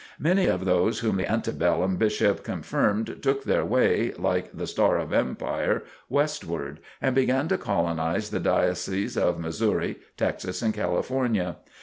Many of those whom the ante bellum bishop confirmed took their way, like the Star of Empire, westward, and began to colonize the Dioceses of Missouri, Texas and California.